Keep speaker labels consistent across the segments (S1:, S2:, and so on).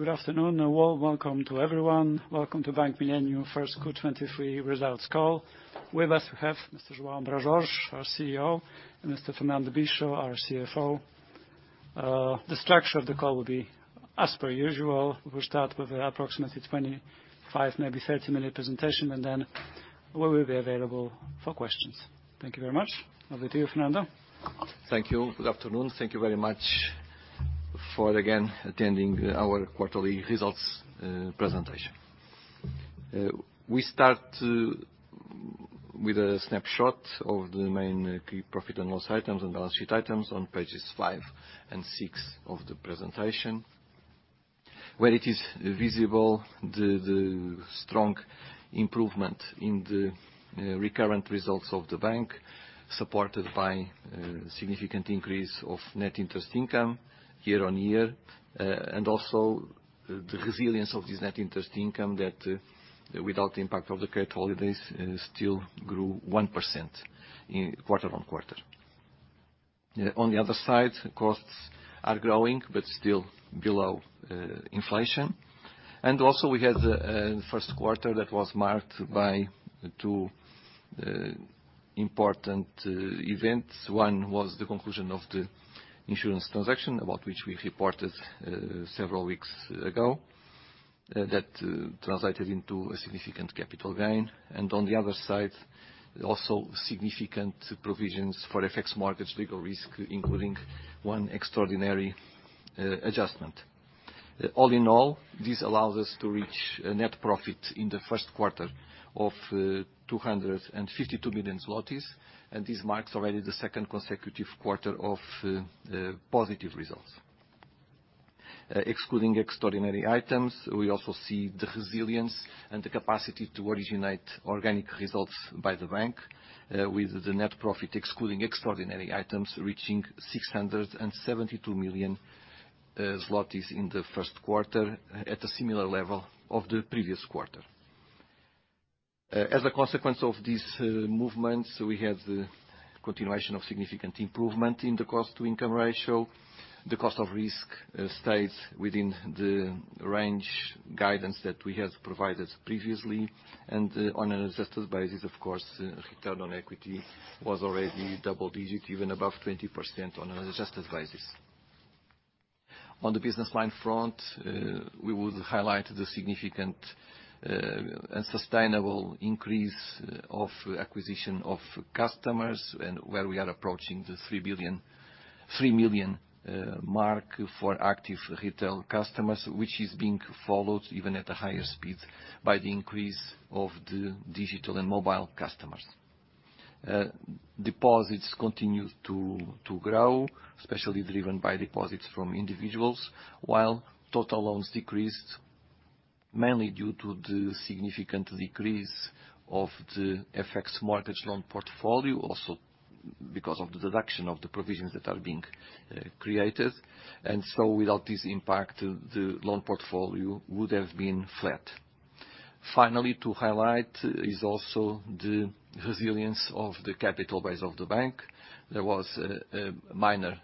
S1: Good afternoon, everyone. Welcome to everyone. Welcome to Bank Millennium first Q23 results call. With us we have Mr. João Brás Jorge, our CEO, and Mr. Fernando Bicho, our CFO. The structure of the call will be as per usual. We'll start with approximately 25, maybe 30-minute presentation, and then we will be available for questions. Thank you very much. Over to you, Fernando.
S2: Thank you. Good afternoon. Thank you very much for, again, attending our quarterly results presentation. We start with a snapshot of the main key profit and loss items and balance sheet items on pages five and six of the presentation, where it is visible the strong improvement in the recurrent results of the bank, supported by significant increase of net interest income year-over-year, and also the resilience of this net interest income that, without the impact of the credit holidays, still grew 1% in quarter-over-quarter. On the other side, costs are growing, but still below inflation. Also we had a first quarter that was marked by two important events. One was the conclusion of the insurance transaction, about which we reported several weeks ago. That translated into a significant capital gain. On the other side, also significant provisions for FX markets legal risk, including one extraordinary adjustment. All in all, this allows us to reach a net profit in the first quarter of 252 million zlotys, this marks already the second consecutive quarter of positive results. Excluding extraordinary items, we also see the resilience and the capacity to originate organic results by the bank, with the net profit, excluding extraordinary items, reaching 672 million zlotys in the first quarter at a similar level of the previous quarter. As a consequence of these movements, we have the continuation of significant improvement in the cost to income ratio. The cost of risk stays within the range guidance that we had provided previously. On an adjusted basis, of course, return on equity was already double digit, even above 20% on an adjusted basis. On the business line front, we would highlight the significant and sustainable increase of acquisition of customers and where we are approaching the 3 million mark for active retail customers, which is being followed even at a higher speed by the increase of the digital and mobile customers. Deposits continue to grow, especially driven by deposits from individuals, while total loans decreased mainly due to the significant decrease of the FX markets loan portfolio, also because of the deduction of the provisions that are being created. Without this impact, the loan portfolio would have been flat. Finally, to highlight is also the resilience of the capital base of the bank. There was a minor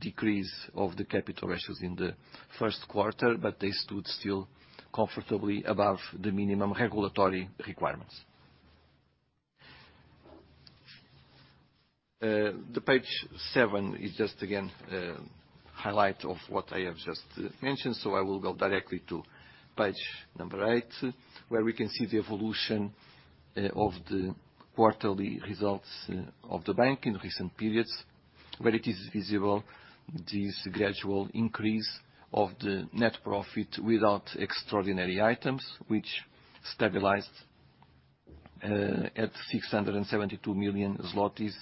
S2: decrease of the capital ratios in the first quarter, but they stood still comfortably above the minimum regulatory requirements. The page seven is just again a highlight of what I have just mentioned. I will go directly to page eight, where we can see the evolution of the quarterly results of Bank Millennium in recent periods, where it is visible this gradual increase of the net profit without extraordinary items, which stabilized at 672 million zlotys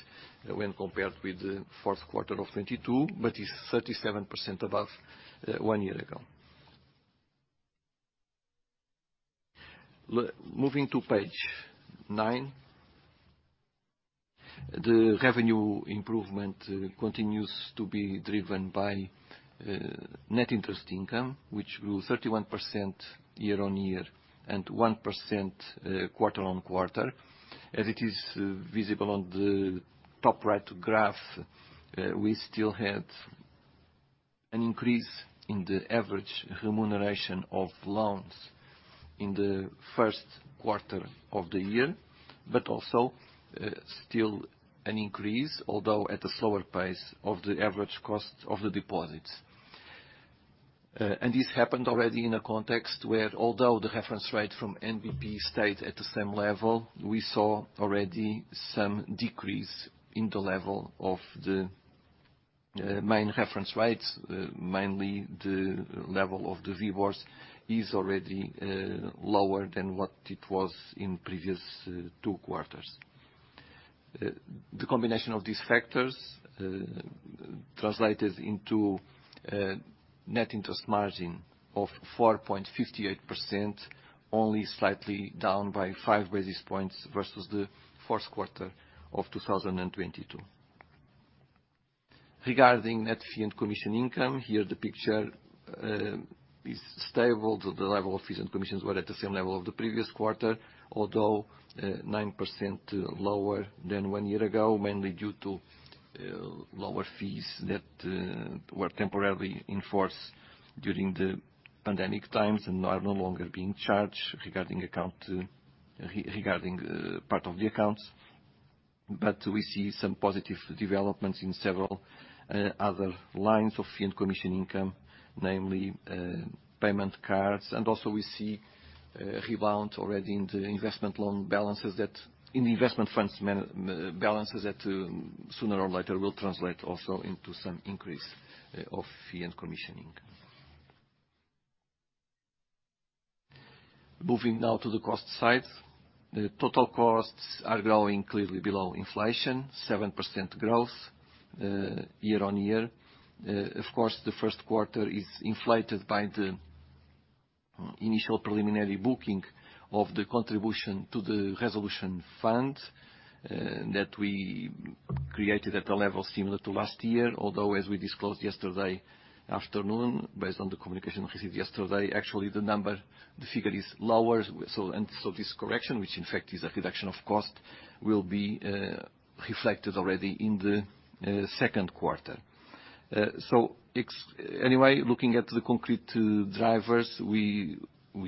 S2: when compared with the fourth quarter of 2022, but is 37% above one year ago. Moving to page nine, the revenue improvement continues to be driven by net interest income, which grew 31% year-over-year and 1% quarter-over-quarter. As it is visible on the top right graph, we still had an increase in the average remuneration of loans in the first quarter of the year, but also, still an increase, although at a slower pace of the average cost of the deposits. This happened already in a context where although the reference rate from NBP stayed at the same level, we saw already some decrease in the level of the main reference rates, mainly the level of the reverse is already lower than what it was in previous two quarters. The combination of these factors translated into a net interest margin of 4.58%, only slightly down by five basis points versus the fourth quarter of 2022. Regarding net fee and commission income, here the picture is stable. The level of fees and commissions were at the same level of the previous quarter, although 9% lower than one year ago, mainly due to lower fees that were temporarily in force during the pandemic times and are no longer being charged regarding part of the accounts. We see some positive developments in several other lines of fee and commission income, namely, payment cards. Also we see rebound already in investment funds balances that sooner or later will translate also into some increase of fee and commission income. Moving now to the cost side. The total costs are growing clearly below inflation, 7% growth year on year. Of course, the first quarter is inflated by the initial preliminary booking of the contribution to the resolution fund that we created at a level similar to last year. As we disclosed yesterday afternoon, based on the communication received yesterday, actually the number, the figure is lower. This correction, which in fact is a reduction of cost, will be reflected already in the second quarter. Anyway, looking at the concrete drivers, we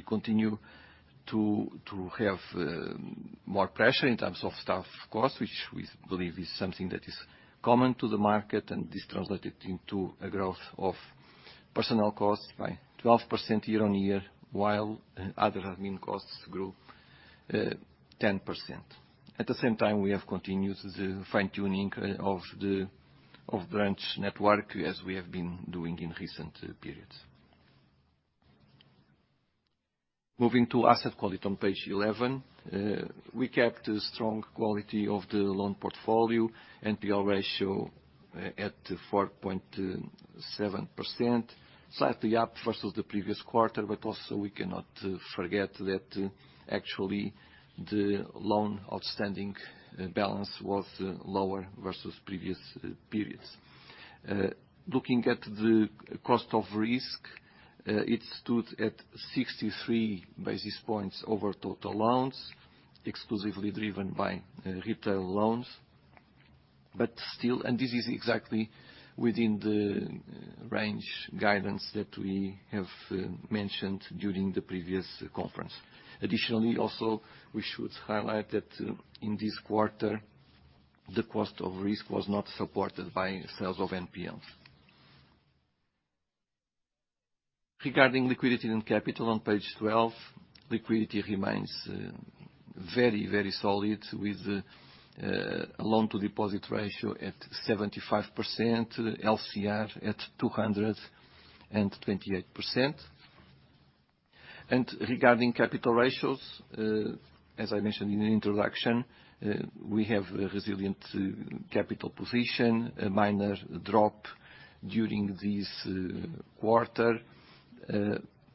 S2: continue to have more pressure in terms of staff costs, which we believe is something that is common to the market and this translated into a growth of personnel costs by 12% year-on-year, while other admin costs grew 10%. At the same time, we have continued the fine-tuning of the branch network, as we have been doing in recent periods. Moving to asset quality on page 11. We kept a strong quality of the loan portfolio NPL ratio at 4.7%, slightly up versus the previous quarter. Also, we cannot forget that actually the loan outstanding balance was lower versus previous periods. Looking at the cost of risk, it stood at 63 basis points over total loans, exclusively driven by retail loans. Still, this is exactly within the range guidance that we have mentioned during the previous conference. Additionally, also, we should highlight that in this quarter, the cost of risk was not supported by sales of NPLs. Regarding liquidity and capital on page 12, liquidity remains very solid with a loan to deposit ratio at 75%, LCR at 228%. Regarding capital ratios, as I mentioned in the introduction, we have a resilient capital position, a minor drop during this quarter,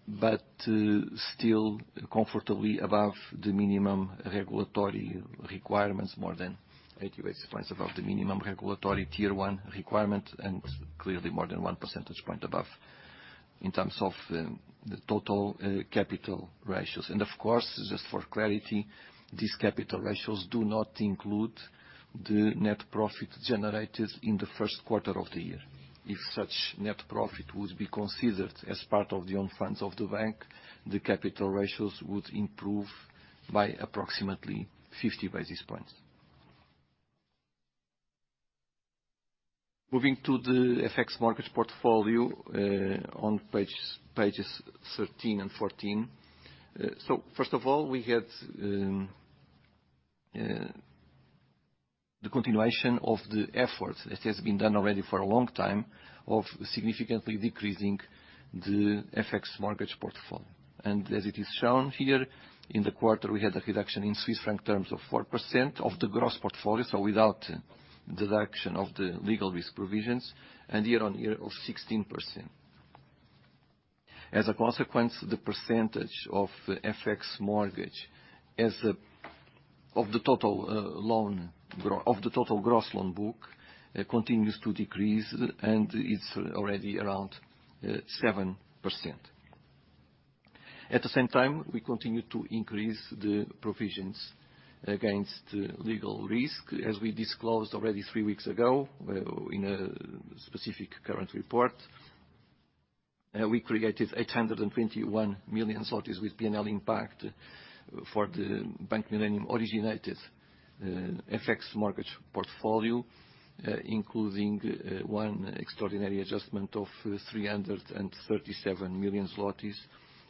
S2: but still comfortably above the minimum regulatory requirements, more than 80 basis points above the minimum regulatory Tier 1 requirement, and clearly more than one percentage point above in terms of the total capital ratios. Of course, just for clarity, these capital ratios do not include the net profit generated in the first quarter of the year. If such net profit would be considered as part of the own funds of the bank, the capital ratios would improve by approximately 50 basis points. Moving to the FX mortgage portfolio, on pages 13 and 14. First of all, we had the continuation of the efforts that has been done already for a long time of significantly decreasing the FX mortgage portfolio. As it is shown here in the quarter, we had a reduction in Swiss franc terms of 4% of the gross portfolio, so without deduction of the legal risk provisions and year-over-year of 16%. As a consequence, the percentage of the FX mortgage of the total gross loan book continues to decrease, and it's already around 7%. At the same time, we continue to increase the provisions against legal risk. We disclosed already three weeks ago, in a specific current report, we created 821 million with P&L impact for the Bank Millennium originated FX mortgage portfolio, including one extraordinary adjustment of 337 million zlotys,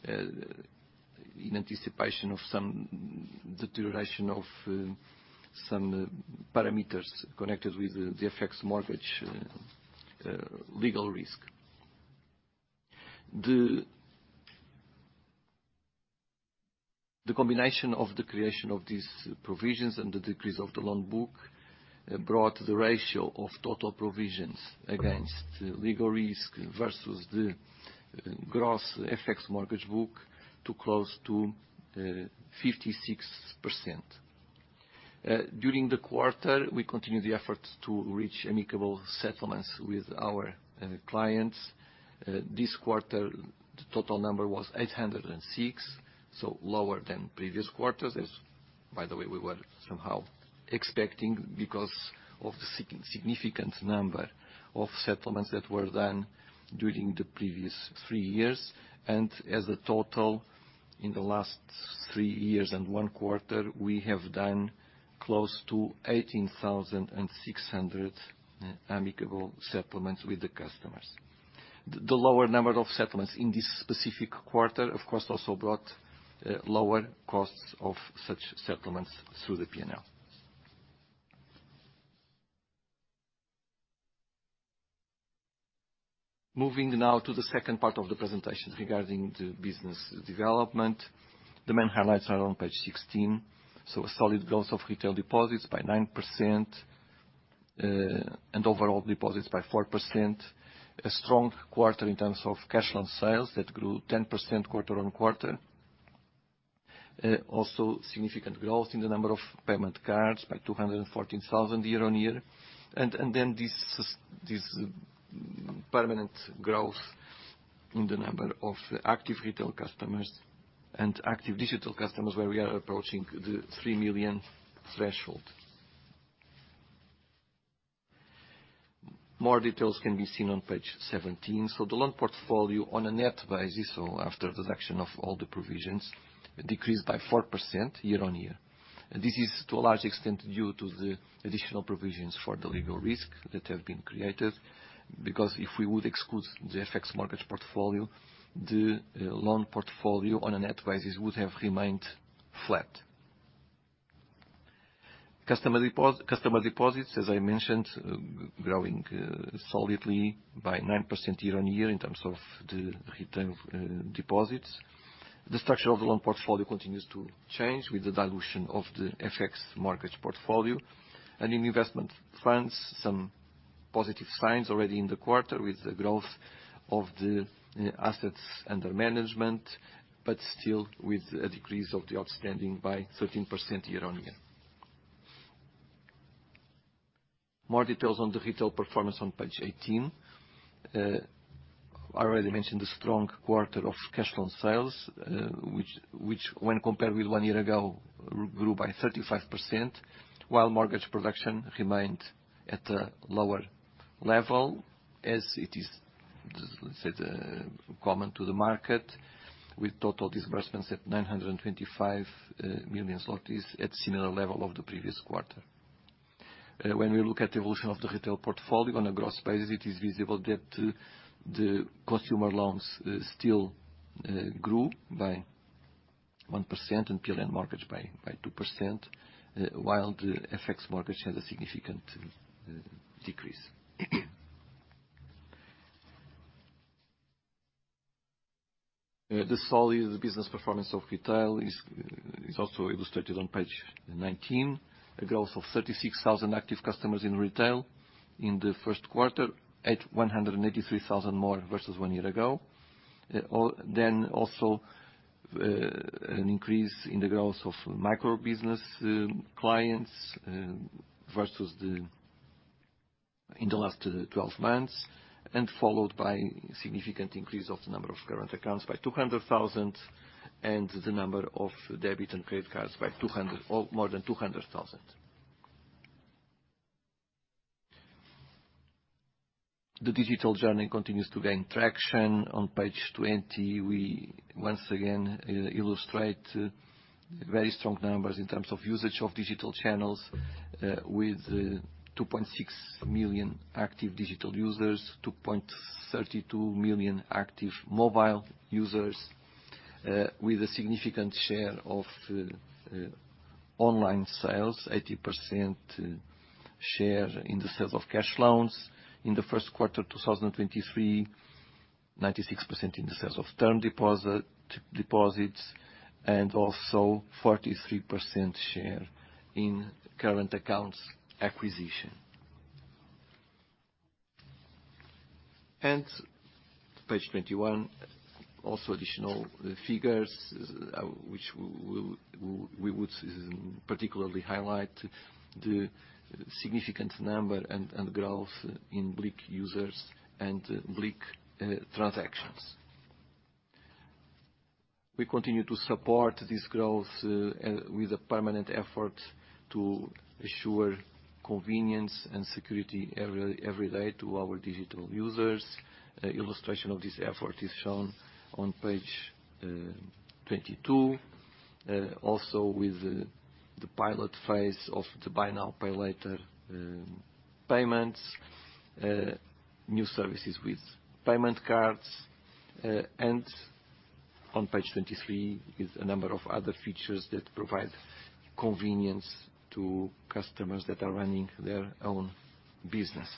S2: in anticipation of some deterioration of some parameters connected with the FX mortgage legal risk. The combination of the creation of these provisions and the decrease of the loan book brought the ratio of total provisions against legal risk versus the gross FX mortgage book to close to 56%. During the quarter, we continued the efforts to reach amicable settlements with our clients. This quarter, the total number was 806, so lower than previous quarters. By the way, we were somehow expecting because of the significant number of settlements that were done during the previous three years. As a total, in the last three years and one quarter, we have done close to 18,600 amicable settlements with the customers. The lower number of settlements in this specific quarter, of course, also brought lower costs of such settlements through the P&L. Moving now to the second part of the presentation regarding the business development. The main highlights are on page 16. A solid growth of retail deposits by 9%, and overall deposits by 4%. A strong quarter in terms of cash loan sales that grew 10% quarter-on-quarter. Also significant growth in the number of payment cards by 214,000 year-on-year. This permanent growth in the number of active retail customers and active digital customers where we are approaching the 3 million threshold. More details can be seen on page 17. The loan portfolio on a net basis, so after deduction of all the provisions, decreased by 4% year-on-year. This is to a large extent due to the additional provisions for the legal risk that have been created, because if we would exclude the FX mortgage portfolio, the loan portfolio on a net basis would have remained flat. Customer deposits, as I mentioned, growing solidly by 9% year-on-year in terms of the retail deposits. The structure of the loan portfolio continues to change with the dilution of the FX mortgage portfolio. In investment funds, some positive signs already in the quarter with the growth of the assets under management, but still with a decrease of the outstanding by 13% year on year. More details on the retail performance on page 18. I already mentioned the strong quarter of cash loan sales, which when compared with one year ago, grew by 35%, while mortgage production remained at a lower level as it is, let's say, the common to the market with total disbursements at 925 million zlotys at similar level of the previous quarter. When we look at the evolution of the retail portfolio on a gross basis, it is visible that the consumer loans still grew by 1% and PLN mortgage by 2%, while the FX mortgage has a significant decrease. The solid business performance of retail is also illustrated on page 19. A growth of 36,000 active customers in retail in the first quarter at 183,000 more versus one year ago. Also, an increase in the growth of microbusiness clients versus in the last 12 months, and followed by significant increase of the number of current accounts by 200,000 and the number of debit and credit cards by 200 or more than 200,000. The digital journey continues to gain traction. On page 20, we once again illustrate very strong numbers in terms of usage of digital channels, with 2.6 million active digital users, 2.32 million active mobile users, with a significant share of online sales, 80% share in the sales of cash loans in the first quarter 2023, 96% in the sales of term deposits, and also 43% share in current accounts acquisition. Page 21 also additional figures, which we would particularly highlight the significant number and growth in BLIK users and BLIK transactions. We continue to support this growth with a permanent effort to assure convenience and security every day to our digital users. Illustration of this effort is shown on page 22. Also with the pilot phase of the buy now, pay later payments, new services with payment cards, and on page 23 with a number of other features that provide convenience to customers that are running their own business.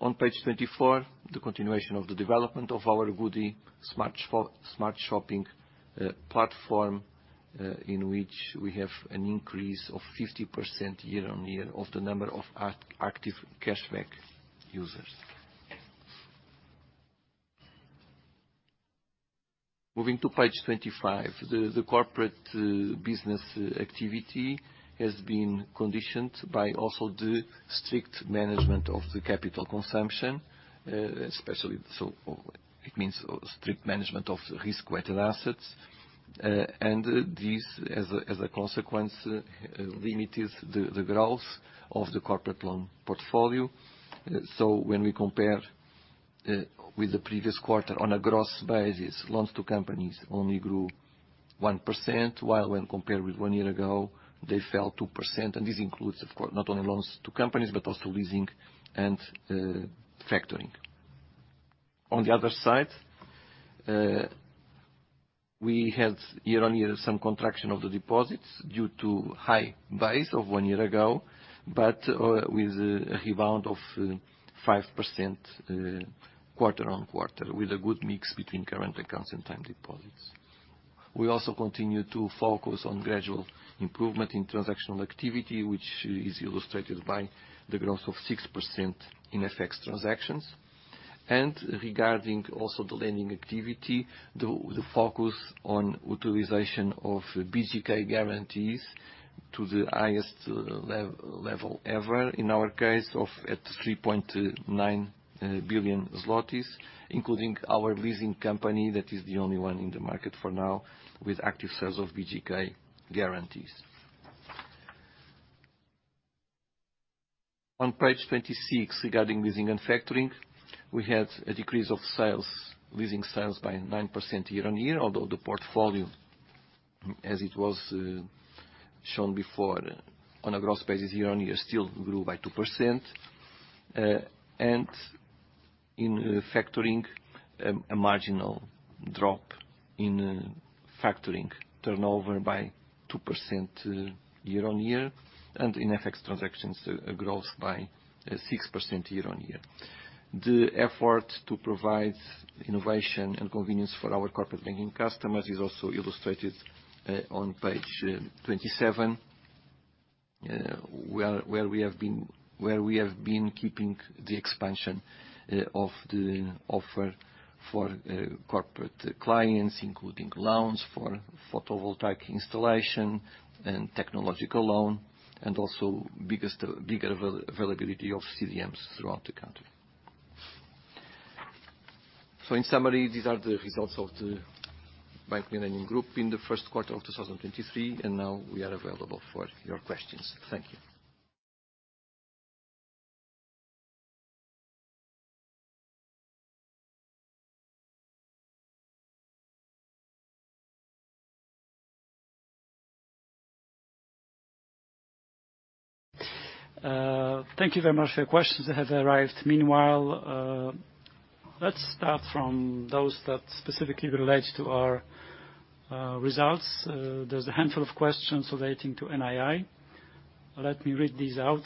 S2: On page 24, the continuation of the development of our goodie smart shopping platform, in which we have an increase of 50% year-on-year of the number of active cashback users. Moving to page 25, the corporate business activity has been conditioned by also the strict management of the capital consumption, especially so it means strict management of risk-weighted assets. This as a consequence limited the growth of the corporate loan portfolio. When we compare with the previous quarter on a gross basis, loans to companies only grew 1%, while when compared with one year ago, they fell 2%. This includes, of course, not only loans to companies, but also leasing and factoring. On the other side, we had year-over-year some contraction of the deposits due to high base of one year ago, with a rebound of 5% quarter-over-quarter, with a good mix between current accounts and time deposits. We also continue to focus on gradual improvement in transactional activity, which is illustrated by the growth of 6% in FX transactions. Regarding also the lending activity, the focus on utilization of BGK guarantees to the highest level ever in our case of, at 3.9 billion zlotys, including our leasing company, that is the only one in the market for now with active sales of BGK guarantees. On page 26, regarding leasing and factoring, we had a decrease of sales, leasing sales by 9% year-on-year. Although the portfolio, as it was shown before on a gross basis year-on-year still grew by 2%. In factoring, a marginal drop in factoring turnover by 2% year-on-year, and in FX transactions, a growth by 6% year-on-year. The effort to provide innovation and convenience for our corporate banking customers is also illustrated on page 27, where we have been keeping the expansion of the offer for corporate clients, including loans for photovoltaic installation and technological loan, and also biggest, bigger availability of CDMs throughout the country. In summary, these are the results of the Bank Millennium Group in the first quarter of 2023. Now we are available for your questions. Thank you.
S1: Thank you very much for your questions that have arrived meanwhile. Let's start from those that specifically relate to our results. There's a handful of questions relating to NII. Let me read these out.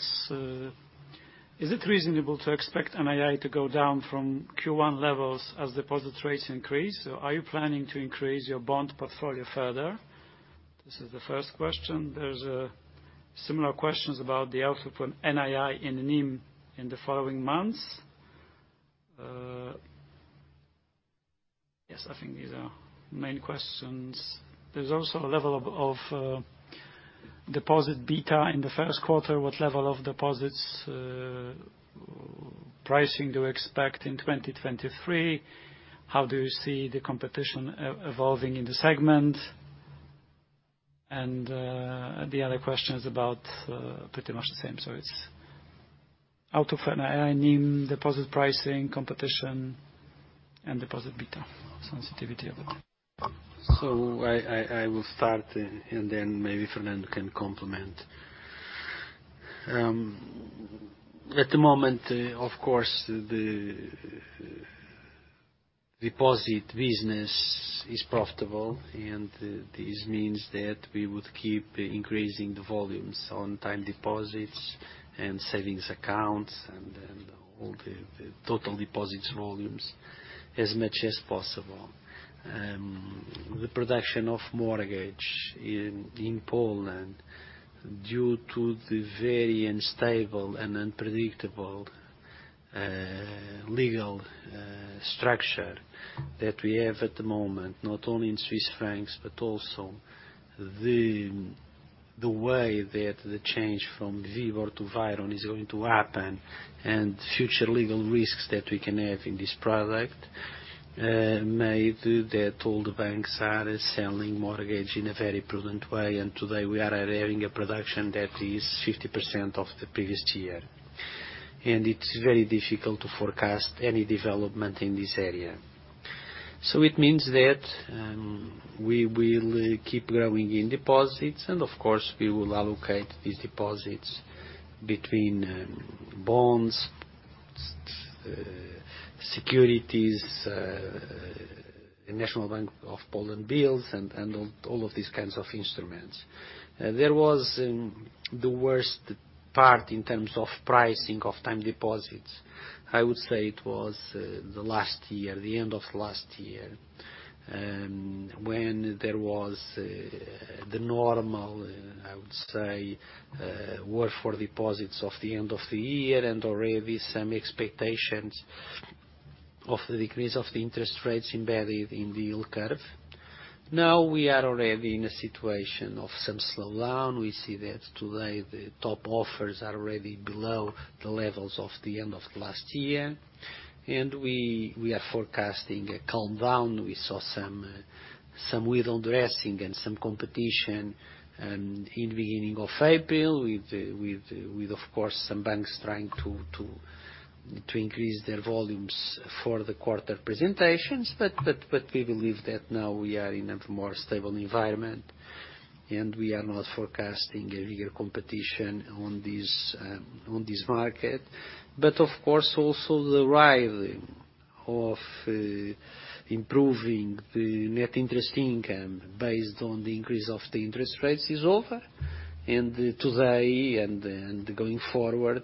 S1: Is it reasonable to expect NII to go down from Q1 levels as deposit rates increase? Are you planning to increase your bond portfolio further? This is the first question. There's similar questions about the output from NII and NIM in the following months. Yes, I think these are main questions. There's also a level of deposit beta in the first quarter. What level of deposits pricing do you expect in 2023? How do you see the competition evolving in the segment? The other question is about pretty much the same. It's output from NII, NIM, deposit pricing, competition, and deposit beta sensitivity of it.
S3: I will start and then maybe Fernando can complement. At the moment, of course, the deposit business is profitable and this means that we would keep increasing the volumes on time deposits and savings accounts and then all the total deposits volumes as much as possible. The production of mortgage in Poland, due to the very unstable and unpredictable legal structure that we have at the moment, not only in Swiss francs, but also the way that the change from WIBOR to WIRON is going to happen and future legal risks that we can have in this product, made that all the banks are selling mortgage in a very prudent way. Today, we are having a production that is 50% of the previous year, and it's very difficult to forecast any development in this area. It means that we will keep growing in deposits and of course we will allocate these deposits between bonds, securities, National Bank of Poland bills and all of these kinds of instruments. There was the worst part in terms of pricing of time deposits, I would say it was the last year, the end of last year, when there was the normal, I would say, work for deposits of the end of the year and already some expectations. Of the decrease of the interest rates embedded in the yield curve. Now we are already in a situation of some slowdown. We see that today the top offers are already below the levels of the end of last year, and we are forecasting a calm down. We saw some window dressing and some competition in the beginning of April with of course, some banks trying to increase their volumes for the quarter presentations. We believe that now we are in a more stable environment, and we are not forecasting a bigger competition on this market. Of course, also the rising of improving the net interest income based on the increase of the interest rates is over. Today, and going forward,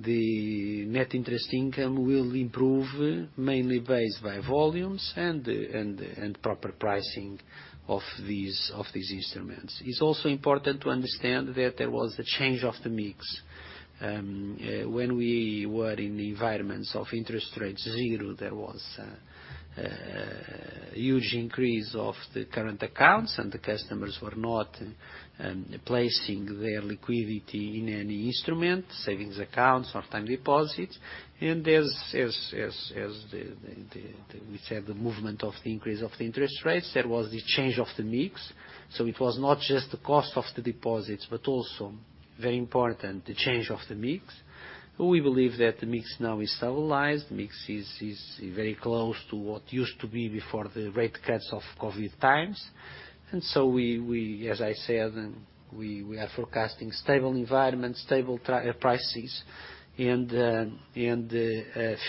S3: the net interest income will improve mainly based by volumes and proper pricing of these instruments. It's also important to understand that there was a change of the mix. When we were in the environments of interest rates zero, there was a huge increase of the current accounts, and the customers were not placing their liquidity in any instrument, savings accounts or time deposits. As we said, the movement of the increase of the interest rates, there was the change of the mix. It was not just the cost of the deposits, but also very important, the change of the mix. We believe that the mix now is stabilized. Mix is very close to what used to be before the rate cuts of COVID times. We, as I said, we are forecasting stable environment, stable prices and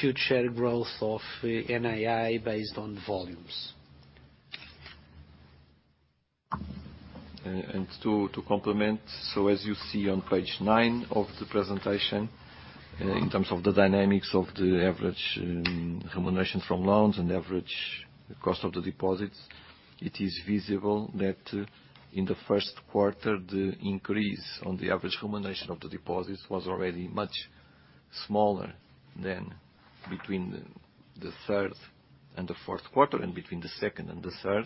S3: future growth of NII based on volumes.
S2: To complement, as you see on page nine of the presentation, in terms of the dynamics of the average remuneration from loans and average cost of the deposits, it is visible that in the first quarter, the increase on the average remuneration of the deposits was already much smaller than between the third and the fourth quarter and between the second and the third.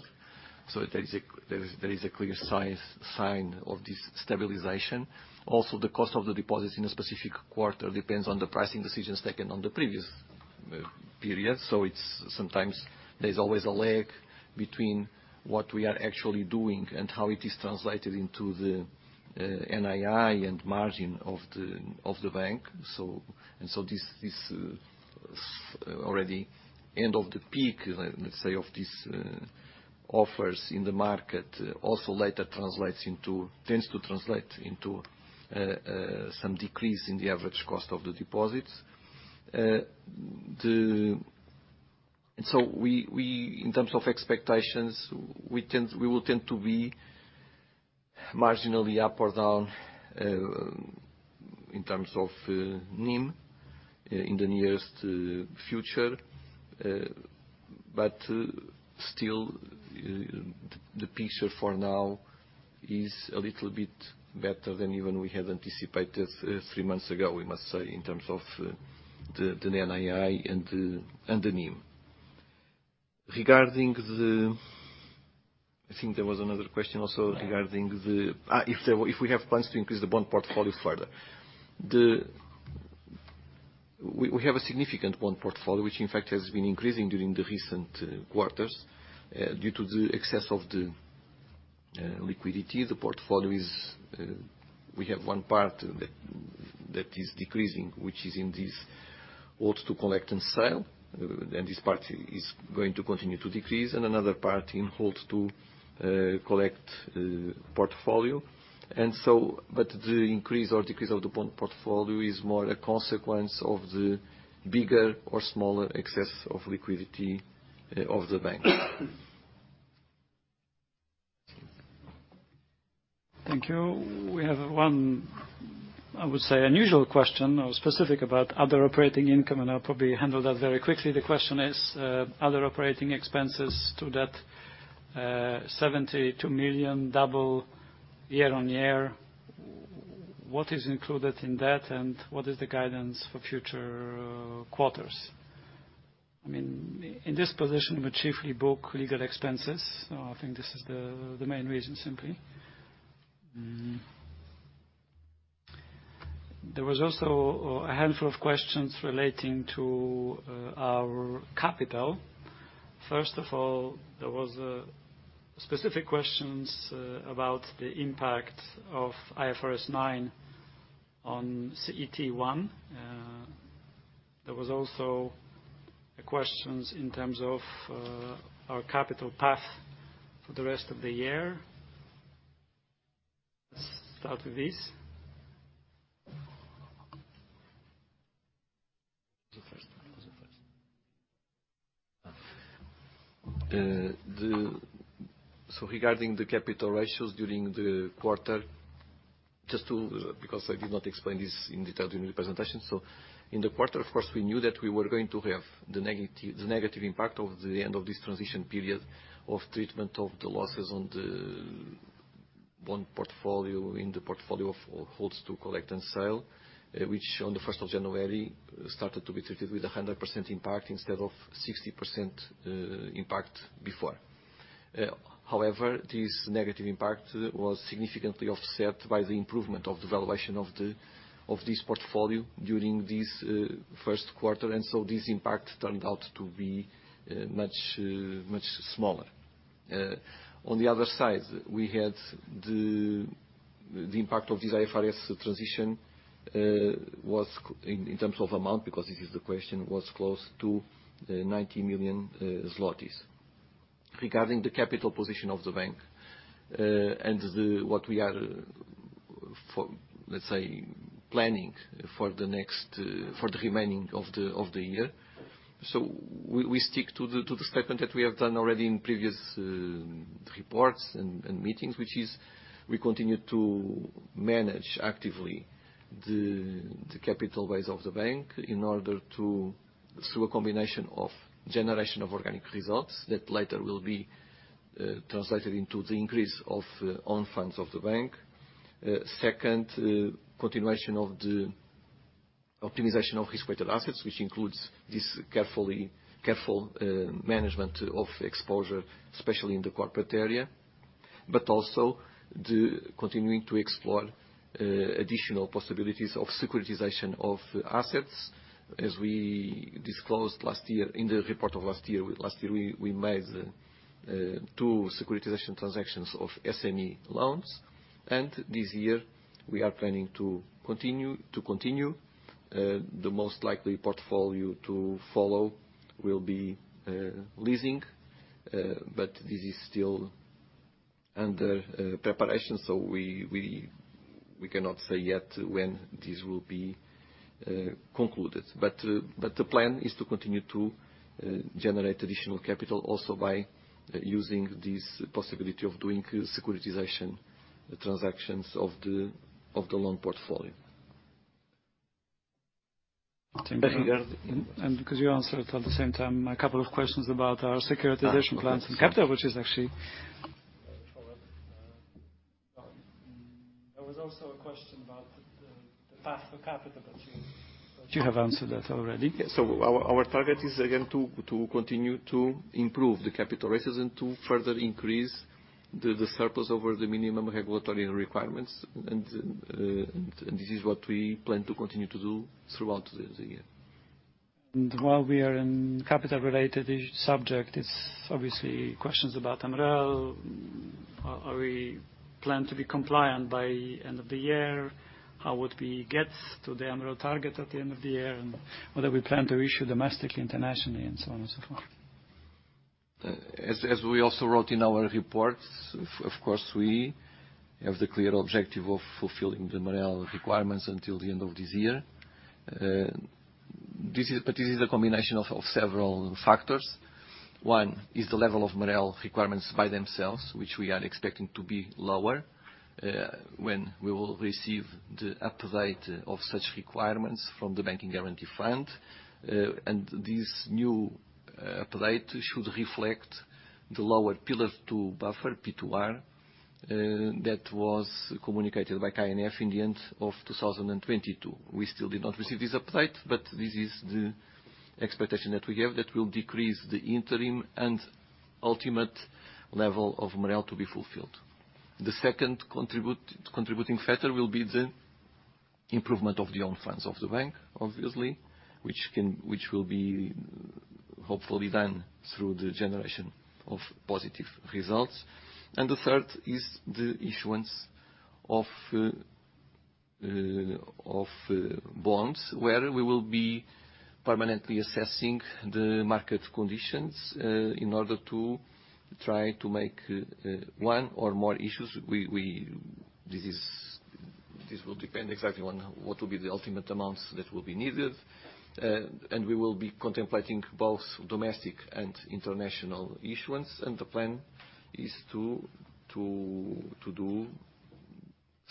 S2: There is a clear sign of this stabilization. Also, the cost of the deposits in a specific quarter depends on the pricing decisions taken on the previous period. It's sometimes there's always a lag between what we are actually doing and how it is translated into the NII and margin of the Bank Millennium. This, this, already end of the peak, let's say, of these, offers in the market also later tends to translate into some decrease in the average cost of the deposits. We, we, in terms of expectations, we tend, we will tend to be marginally up or down, in terms of NIM in the nearest future. Still, the picture for now is a little bit better than even we had anticipated, three months ago, we must say, in terms of the NII and the, and the NIM. Regarding I think there was another question also regarding.
S3: Yeah.
S2: If we have plans to increase the bond portfolio further. We have a significant bond portfolio, which in fact has been increasing during the recent quarters due to the excess of the liquidity. The portfolio is, we have one part that is decreasing, which is in this hold to collect and sell. This part is going to continue to decrease and another part in hold to collect portfolio. The increase or decrease of the bond portfolio is more a consequence of the bigger or smaller excess of liquidity of the bank.
S1: Thank you. We have one, I would say, unusual question or specific about other operating income. I'll probably handle that very quickly. The question is, other operating expenses to that 72 million double year-on-year, what is included in that? What is the guidance for future quarters? I mean, in this position, we chiefly book legal expenses. I think this is the main reason simply. There was also a handful of questions relating to our capital. First of all, there was specific questions about the impact of IFRS 9 on CET1. There was also questions in terms of our capital path for the rest of the year. Let's start with this. What's the first one?
S2: Regarding the capital ratios during the quarter, just to, because I did not explain this in detail during the presentation. In the quarter, of course, we knew that we were going to have the negative impact of the end of this transition period of treatment of the losses on the-One portfolio in the portfolio of hold to collect and sell, which on the 1st of January started to be treated with a 100% impact instead of 60% impact before. However, this negative impact was significantly offset by the improvement of the valuation of this portfolio during thisfirst quarter, this impact turned out to be much smaller. On the other side, we had the impact of this IFRS transition was in terms of amount, because it is the question, was close to 90 million zlotys. Regarding the capital position of the bank, and what we are for, let's say, planning for the next, for the remaining of the year. We stick to the statement that we have done already in previous reports and meetings, which is we continue to manage actively the capital base of the bank in order to, through a combination of generation of organic results that later will be translated into the increase of own funds of the bank. Second, continuation of the optimization of risk-weighted assets, which includes this careful management of exposure, especially in the corporate area. Also the continuing to explore additional possibilities of securitisation of assets. As we disclosed last year, in the report of last year, last year we made two securitisation transactions of SME loans. This year we are planning to continue. The most likely portfolio to follow will be leasing, but this is still under preparation, so we cannot say yet when this will be concluded. The plan is to continue to generate additional capital also by using this possibility of doing securitisation transactions of the loan portfolio.
S1: Because you answered at the same time, a couple of questions about our securitisation plans and capital. There was also a question about the path for capital that you have answered that already.
S2: Our target is again to continue to improve the capital ratios and to further increase the surplus over the minimum regulatory requirements and this is what we plan to continue to do throughout the year.
S1: While we are in capital related is subject, it's obviously questions about MREL. Are we plan to be compliant by end of the year? How would we get to the MREL target at the end of the year? Whether we plan to issue domestically, internationally, and so on and so forth.
S2: As we also wrote in our reports, of course, we have the clear objective of fulfilling the MREL requirements until the end of this year. This is a combination of several factors. One is the level of MREL requirements by themselves, which we are expecting to be lower when we will receive the update of such requirements from the Bank Guarantee Fund. This new update should reflect the lower Pillar two buffer, P2R, that was communicated by KNF in the end of 2022. We still did not receive this update, this is the expectation that we have that will decrease the interim and ultimate level of MREL to be fulfilled. The second contributing factor will be the improvement of the own funds of the bank, obviously, which will be hopefully done through the generation of positive results. The third is the issuance of bonds, where we will be permanently assessing the market conditions in order to try to make one or more issues. This will depend exactly on what will be the ultimate amounts that will be needed. We will be contemplating both domestic and international issuance, and the plan is to do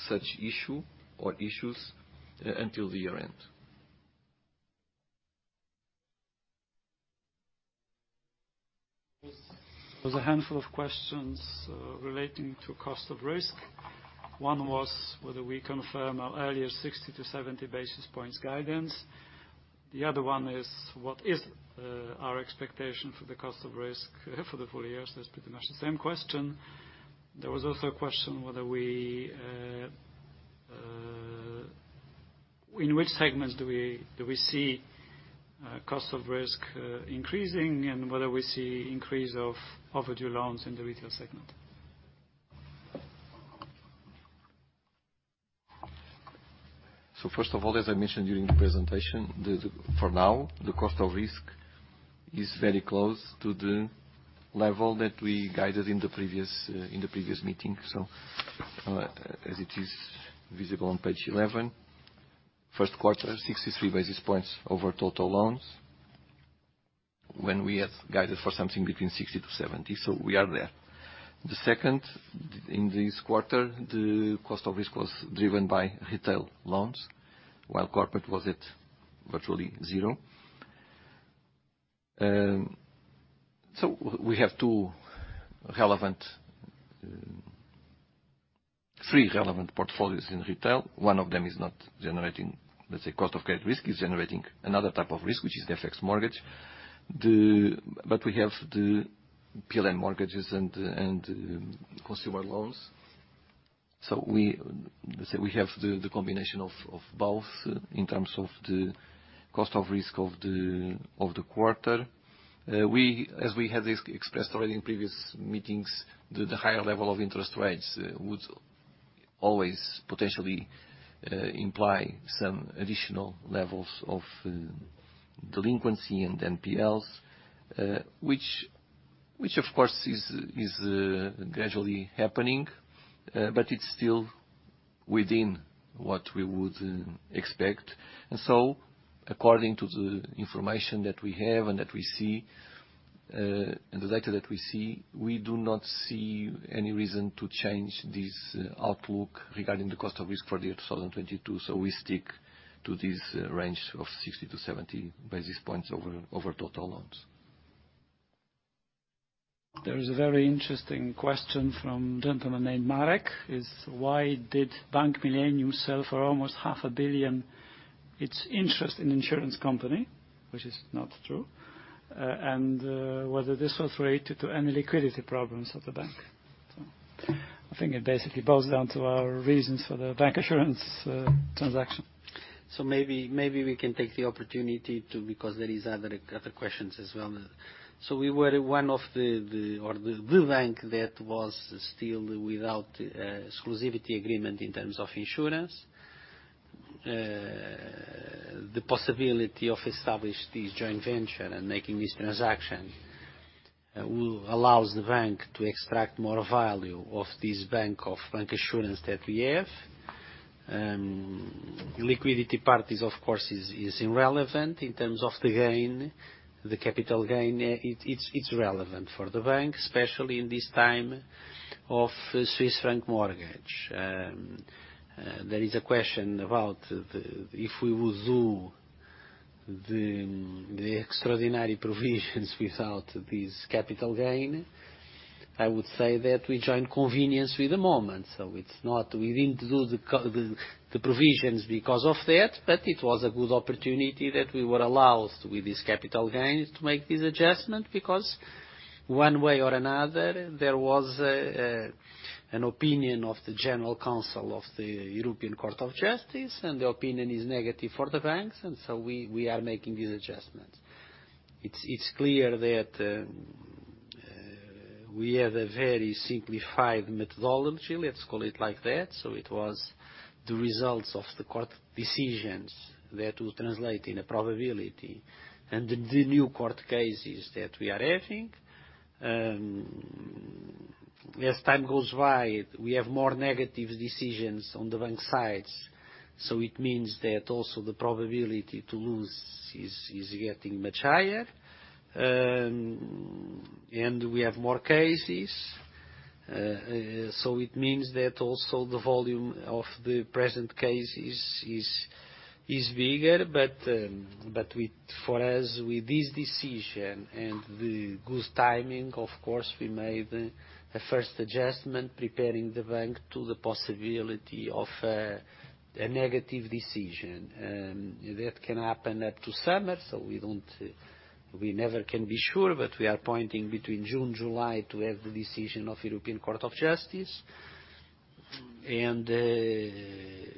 S2: such issue or issues until the year end.
S1: There's a handful of questions relating to cost of risk. One was whether we confirm our earlier 60 to 70 basis points guidance. The other one is, what is our expectation for the cost of risk for the full year? That's pretty much the same question. There was also a question whether we, in which segments do we see cost of risk increasing and whether we see increase of overdue loans in the retail segment?
S2: First of all, as I mentioned during the presentation, the, for now, the cost of risk is very close to the level that we guided in the previous in the previous meeting. As it is visible on page 11, first quarter, 63 basis points over total loans when we had guided for something between 60 to 70. We are there. The second, in this quarter, the cost of risk was driven by retail loans, while corporate was at virtually zero.
S3: We have two relevant, three relevant portfolios in retail. One of them is not generating, let's say, cost of credit risk. It's generating another type of risk, which is the FX mortgage. We have the PLN mortgages and consumer loans. We, let's say we have the combination of both in terms of the cost of risk of the quarter. We, as we have expressed already in previous meetings, the higher level of interest rates would always potentially imply some additional levels of delinquency in NPLs. Which of course is gradually happening, but it's still within what we would expect. According to the information that we have and that we see, and the data that we see, we do not see any reason to change this outlook regarding the cost of risk for the year 2022. We stick to this range of 60-70 basis points over total loans.
S1: There is a very interesting question from a gentleman named Marek, is why did Bank Millennium sell for almost PLN half a billion its interest in insurance company, which is not true, and whether this was related to any liquidity problems at the bank? I think it basically boils down to our reasons for the bank assurance transaction.
S3: Maybe we can take the opportunity because there is other questions as well. We were one of the, or the bank that was still without exclusivity agreement in terms of insurance. The possibility of establish this joint venture and making this transaction will allows the bank to extract more value of this bank, of bank assurance that we have. Liquidity part is, of course, is irrelevant. In terms of the gain, the capital gain, it's relevant for the bank, especially in this time of Swiss franc mortgage. There is a question about the, if we would do the extraordinary provisions without this capital gain. I would say that we join convenience with the moment. It's not we didn't do the provisions because of that, but it was a good opportunity that we were allowed with this capital gains to make this adjustment, because one way or another, there was an opinion of the General Council of the Court of Justice of the European Union, and the opinion is negative for the banks. We are making these adjustments. It's clear that we have a very simplified methodology, let's call it like that. It was the results of the court decisions that will translate in a probability. The new court cases that we are having as time goes by, we have more negative decisions on the bank sides. It means that also the probability to lose is getting much higher. We have more cases. It means that also the volume of the present cases is bigger. With, for us, with this decision and the good timing, of course, we made a first adjustment preparing the bank to the possibility of a negative decision. That can happen up to summer, we don't, we never can be sure, but we are pointing between June, July to have the decision of European Court of Justice. The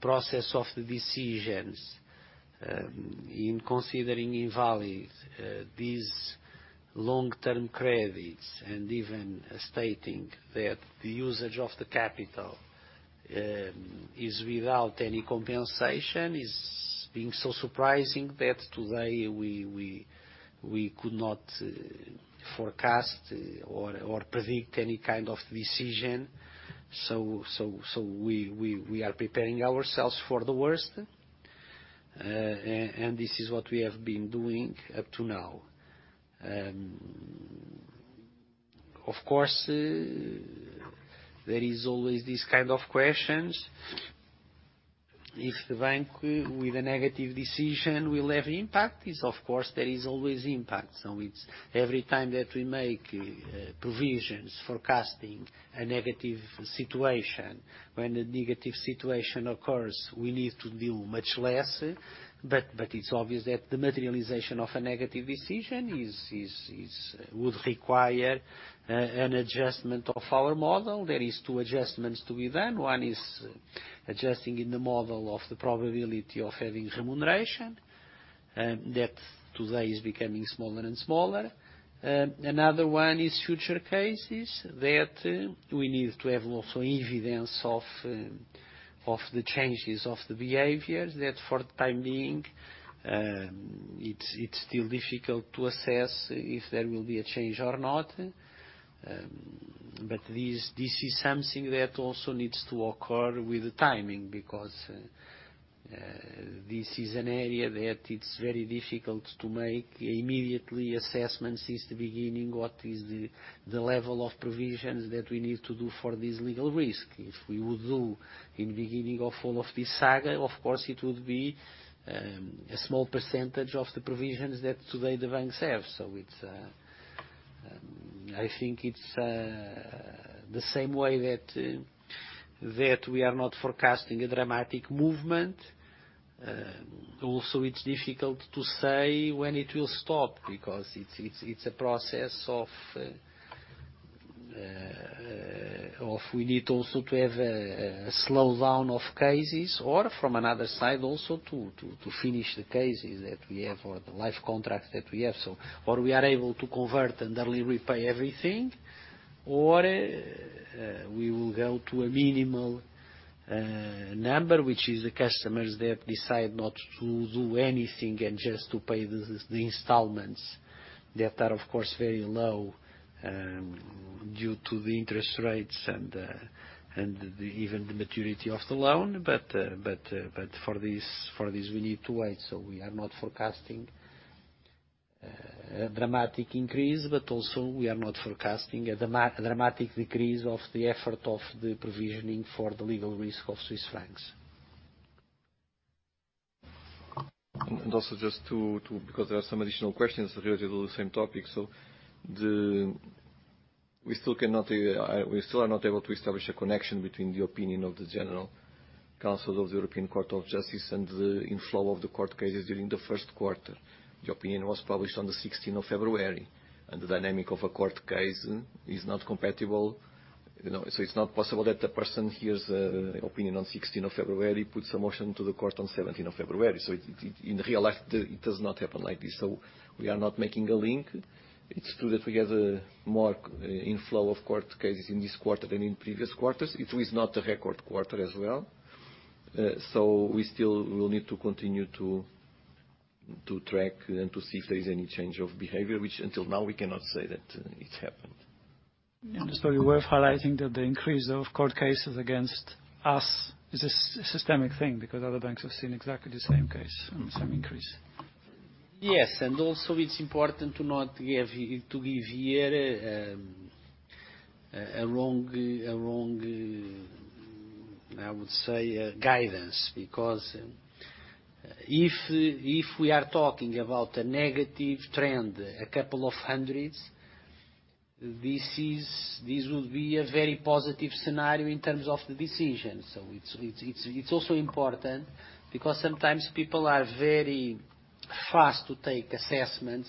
S3: process of the decisions in considering invalid these long-term credits and even stating that the usage of the capital is without any compensation is being so surprising that today we could not forecast or predict any kind of decision. We are preparing ourselves for the worst. This is what we have been doing up to now. Of course, there is always these kind of questions. If the bank with a negative decision will have impact, of course there is always impact. It's every time that we make provisions forecasting a negative situation, when a negative situation occurs, we need to do much less. It's obvious that the materialization of a negative decision would require an adjustment of our model. There is two adjustments to be done. One is adjusting in the model of the probability of having remuneration, that today is becoming smaller and smaller. Another one is future cases that we need to have also evidence of the changes of the behavior that for the time being, it's still difficult to assess if there will be a change or not. This is something that also needs to occur with the timing because this is an area that it's very difficult to make immediately assessment since the beginning, what is the level of provisions that we need to do for this legal risk. If we would do in the beginning of all of this saga, of course, it would be a small percentage of the provisions that today the banks have. I think it's the same way that we are not forecasting a dramatic movement. Also it's difficult to say when it will stop because it's a process of we need also to have a slowdown of cases or from another side also to finish the cases that we have or the life contracts that we have. Or we are able to convert and early repay everything, or we will go to a minimal number, which is the customers that decide not to do anything and just to pay the installments that are of course very low due to the interest rates and the even the maturity of the loan. For this, we need to wait. We are not forecasting a dramatic increase, but also we are not forecasting a dramatic decrease of the effort of the provisioning for the legal risk of Swiss francs.
S2: Because there are some additional questions related to the same topic. We still cannot, we still are not able to establish a connection between the opinion of the General Council of the Court of Justice of the European Union and the inflow of the court cases during the first quarter. The opinion was published on the sixteenth of February, the dynamic of a court case is not compatible, you know. It's not possible that a person hears the opinion on sixteenth of February, puts a motion to the court on seventeenth of February. In real life, it does not happen like this. We are not making a link. It's true that we have a more inflow of court cases in this quarter than in previous quarters. It was not a record quarter as well. We still will need to continue to track and to see if there is any change of behavior, which until now we cannot say that it's happened.
S1: You were highlighting that the increase of court cases against us is a systemic thing because other banks have seen exactly the same case and the same increase.
S3: Yes, also it's important to give here a wrong, a wrong, I would say, a guidance because if we are talking about a negative trend, a couple of hundreds, this would be a very positive scenario in terms of the decision. It's also important because sometimes people are very fast to take assessments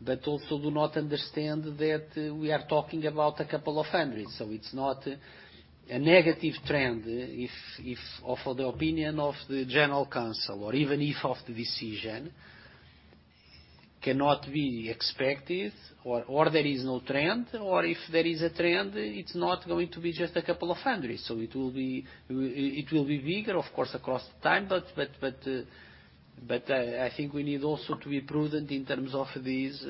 S3: but also do not understand that we are talking about a couple of hundreds. It's not a negative trend if of the opinion of the general counsel or even if of the decision cannot be expected or there is no trend, or if there is a trend, it's not going to be just a couple of hundreds. It will be bigger, of course, across time, but I think we need also to be prudent in terms of this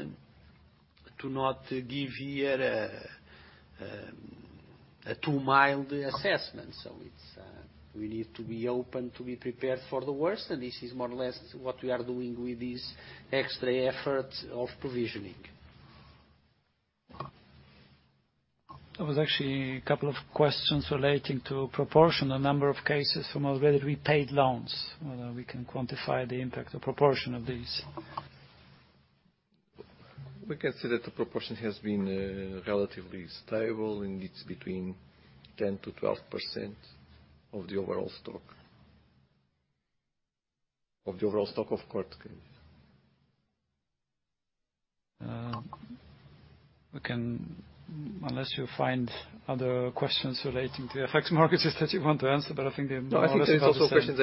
S3: to not give here a too mild assessment. It's. We need to be open to be prepared for the worst, and this is more or less what we are doing with this extra effort of provisioning.
S1: There was actually a couple of questions relating to proportion, the number of cases from already repaid loans, whether we can quantify the impact or proportion of these.
S2: We can say that the proportion has been relatively stable, and it's between 10%-12% of the overall stock. Of the overall stock of court cases.
S1: Unless you find other questions relating to FX mortgages that you want to answer. I think they more or less have the same...
S2: No, I think there's also a question.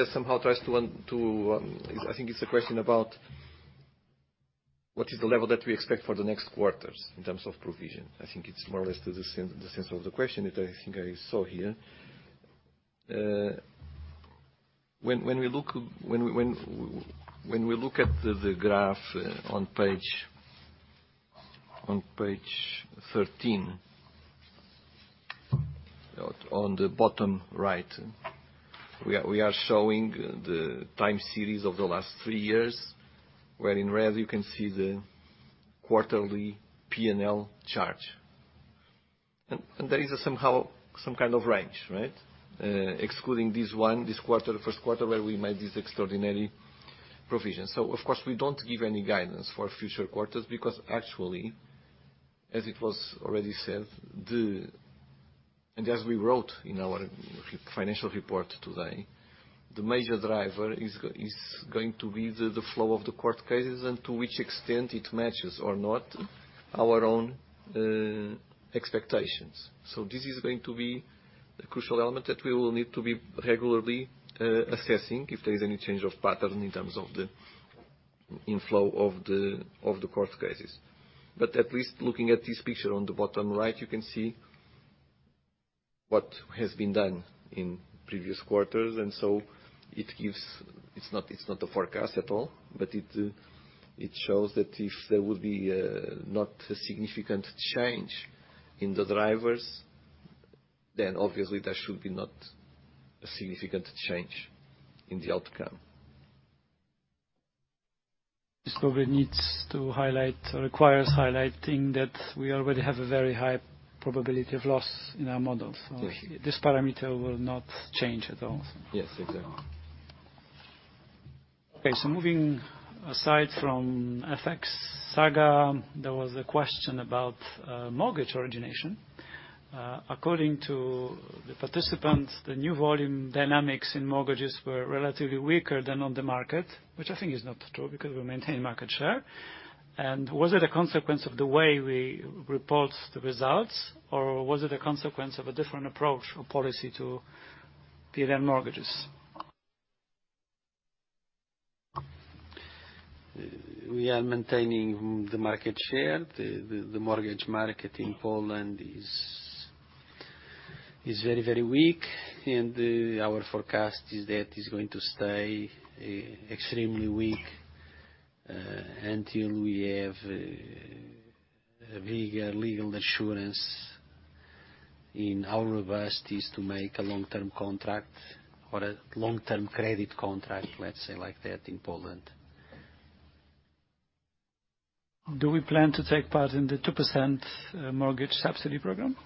S2: I think it's a question about what is the level that we expect for the next quarters in terms of provision. I think it's more or less the sense of the question that I think I saw here. When we look at the graph on page 13, on the bottom right, we are showing the time series of the last three years, where in red you can see the quarterly P&L charge. There is a somehow some kind of range, right? Excluding this quarter, thefirst quarter, where we made this extraordinary provision. Of course, we don't give any guidance for future quarters because actually, as it was already said. As we wrote in our financial report today, the major driver is going to be the flow of the court cases and to which extent it matches or not our own expectations. This is going to be the crucial element that we will need to be regularly assessing if there is any change of pattern in terms of the inflow of the court cases. At least looking at this picture on the bottom right, you can see what has been done in previous quarters. It's not a forecast at all, but it shows that if there would be not a significant change in the drivers, then obviously there should be not a significant change in the outcome.
S1: Just probably needs to highlight or requires highlighting that we already have a very high probability of loss in our models.
S2: Yes.
S1: This parameter will not change at all.
S2: Yes, exactly.
S1: Moving aside from FX saga, there was a question about mortgage origination. According to the participants, the new volume dynamics in mortgages were relatively weaker than on the market, which I think is not true, because we maintain market share. Was it a consequence of the way we report the results, or was it a consequence of a different approach or policy to give out mortgages?
S3: We are maintaining the market share. The mortgage market in Poland is very, very weak. Our forecast is that it's going to stay extremely weak until we have a bigger legal assurance in our abilities to make a long-term contract or a long-term credit contract, let's say, like that in Poland.
S1: Do we plan to take part in the 2% mortgage subsidy program?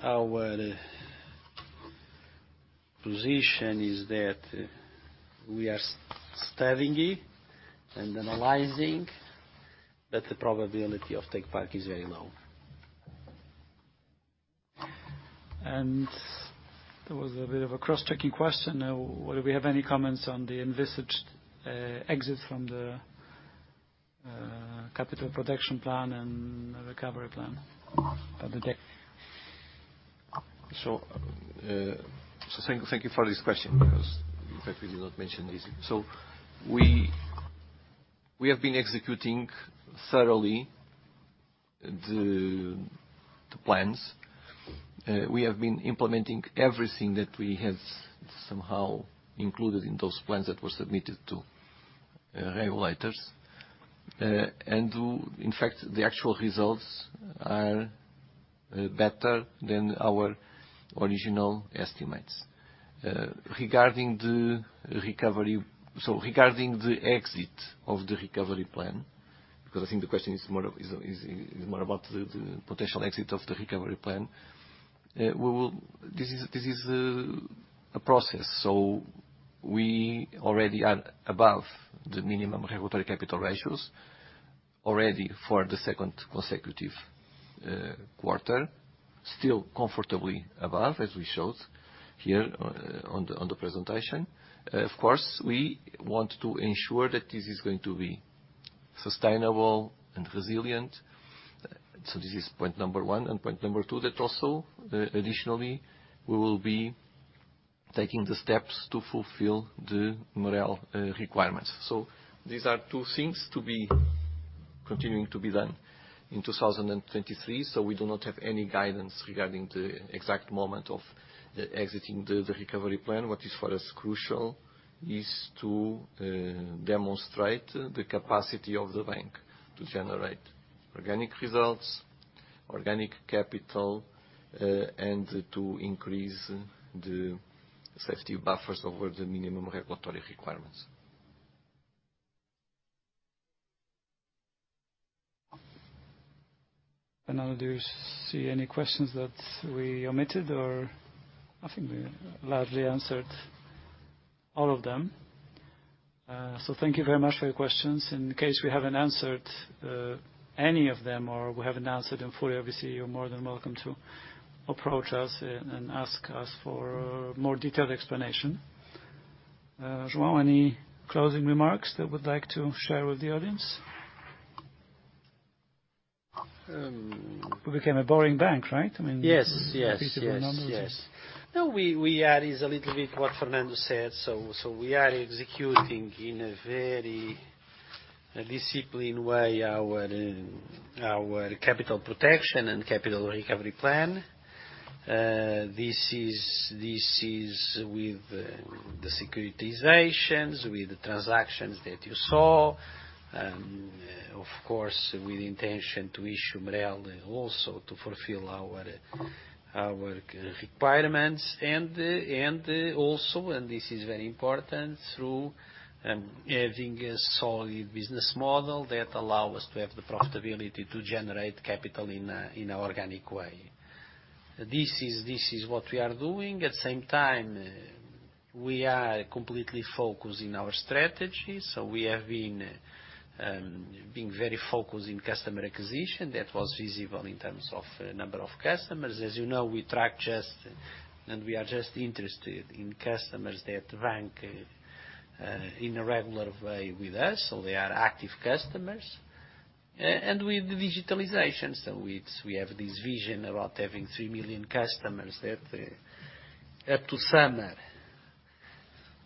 S3: Our position is that we are studying it and analyzing, but the probability of take part is very low.
S1: There was a bit of a cross-checking question. Whether we have any comments on the envisaged exit from the Capital Protection Plan and Recovery Plan? Pablo.
S2: Thank you for this question because in fact we did not mention this. We have been executing thoroughly the plans. We have been implementing everything that we have somehow included in those plans that were submitted to regulators. And though, in fact, the actual results are better than our original estimates. Regarding the recovery... Regarding the exit of the Recovery Plan, because I think the question is more about the potential exit of the Recovery Plan. We will... This is a process. We already are above the minimum regulatory capital ratios already for the second consecutive quarter. Still comfortably above, as we showed here on the presentation. Of course, we want to ensure that this is going to be sustainable and resilient. This is point number one. Point number two that also, additionally, we will be taking the steps to fulfill the MREL requirements. These are two things to be continuing to be done in 2023. We do not have any guidance regarding the exact moment of exiting the Recovery Plan. What is for us crucial is to demonstrate the capacity of the bank to generate organic results, organic capital, and to increase the safety buffers over the minimum regulatory requirements.
S1: Fernando, do you see any questions that we omitted or. I think we largely answered all of them. Thank you very much for your questions. In case we haven't answered any of them or we haven't answered them fully, obviously you're more than welcome to approach us and ask us for a more detailed explanation. João, any closing remarks that you would like to share with the audience?
S3: Um-
S1: We became a boring bank, right? I mean.
S3: Yes. Yes.
S1: Repeatable numbers.
S3: Yes. Yes. No, we are is a little bit what Fernando said. We are executing in a very disciplined way our Capital Protection Plan and Recovery Plan. This is with the securitizations, with the transactions that you saw, and of course, with the intention to issue MREL also to fulfill our requirements. Also, this is very important, through having a solid business model that allow us to have the profitability to generate capital in an organic way. This is what we are doing. At the same time, we are completely focused in our strategy, so we have been being very focused in customer acquisition. That was visible in terms of number of customers. As you know, we track, and we are just interested in customers that bank in a regular way with us, so they are active customers. With the digitalizations, we have this vision about having 3 million customers that up to summer.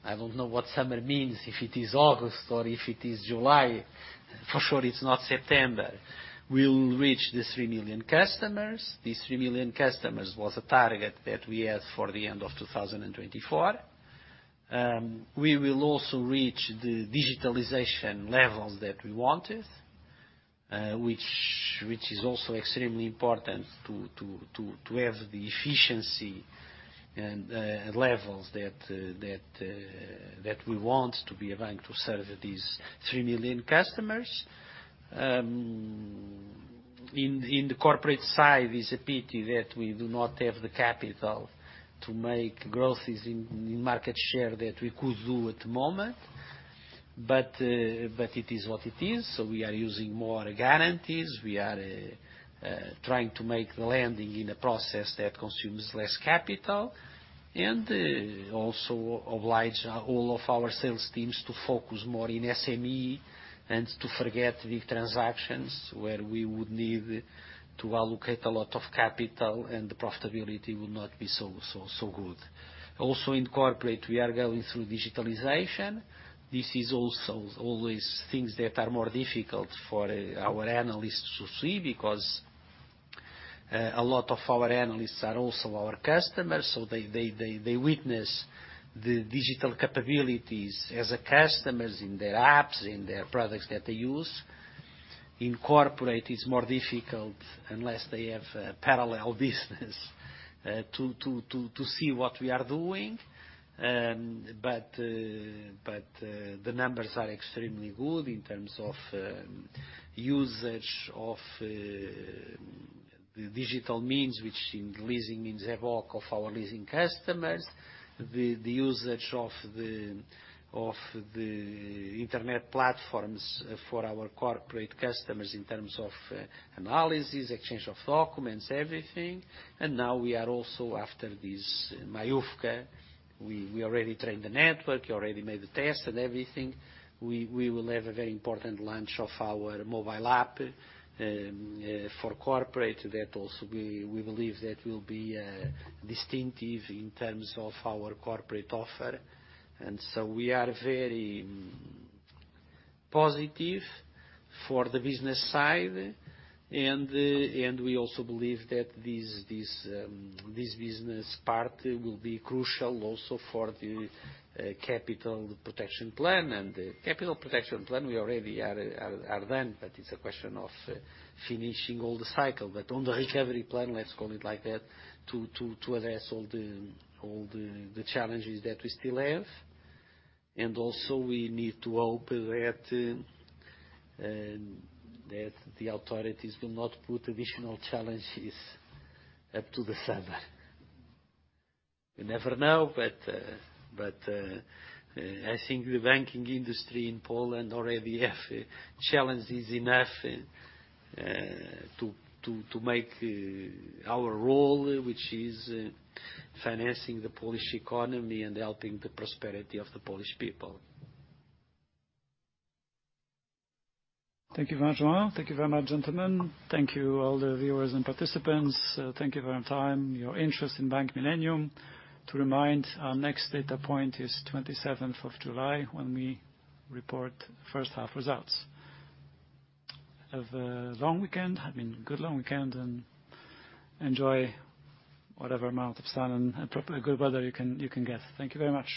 S3: I don't know what summer means, if it is August or if it is July. For sure, it's not September. We'll reach these 3 million customers. These 3 million customers was a target that we had for the end of 2024. We will also reach the digitalization levels that we wanted, which is also extremely important to have the efficiency and levels that we want to be a bank to serve these 3 million customers. In the corporate side, it's a pity that we do not have the capital to make growths in market share that we could do at the moment. It is what it is, so we are using more guarantees. We are trying to make the lending in a process that consumes less capital. Also oblige all of our sales teams to focus more in SME and to forget the transactions where we would need to allocate a lot of capital and the profitability would not be so, so good. Also in corporate, we are going through digitalization. This is also always things that are more difficult for our analysts to see because a lot of our analysts are also our customers, so they witness the digital capabilities as a customers in their apps, in their products that they use. In corporate, it's more difficult unless they have a parallel business to see what we are doing. But the numbers are extremely good in terms of usage of the digital means, which in leasing means eBOK of our leasing customers. The usage of the internet platforms for our corporate customers in terms of analysis, exchange of documents, everything. Now we are also after this MyUCA, we already trained the network, we already made the test and everything. We will have a very important launch of our mobile app for corporate. That also we believe that will be distinctive in terms of our corporate offer. We are very positive for the business side. We also believe that this business part will be crucial also for the Capital Protection Plan. The Capital Protection Plan, we already are done, but it's a question of finishing all the cycle. On the Recovery Plan, let's call it like that, to address all the challenges that we still have. Also we need to hope that the authorities will not put additional challenges up to December. You never know. I think the banking industry in Poland already have challenges enough, to make, our role, which is financing the Polish economy and helping the prosperity of the Polish people.
S1: Thank you very much, João. Thank you very much, gentlemen. Thank you all the viewers and participants. Thank you for your time, your interest in Bank Millennium. To remind, our next data point is 27th of July when we report first half results. Have a long weekend. Have been good long weekend, and enjoy whatever amount of sun and good weather you can get. Thank you very much.